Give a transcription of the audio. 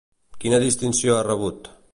Quina distinció ha rebut?